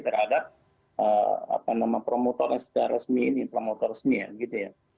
terhadap promotor yang secara resmi ini promotor resmi ya